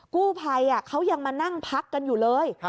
กู้ภัยเขายังมานั่งพักกันอยู่เลย